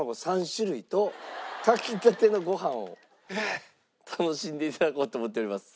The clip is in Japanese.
３種類と炊きたてのご飯を楽しんでいただこうと思っております。